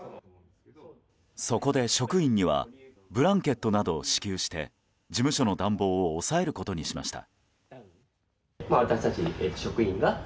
そこで職員にはブランケットなどを支給して事務所の暖房を抑えることにしました。